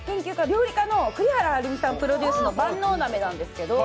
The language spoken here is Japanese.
料理家の栗原はるみさんプロデュースのものなんですが